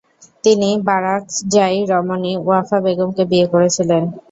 তিনি বারাকজাই রমণী ওয়াফা বেগমকে বিয়ে করেছিলেন।